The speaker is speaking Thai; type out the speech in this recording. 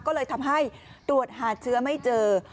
ก็เลยทำให้ตรวจหาเชื้อไม่เจอ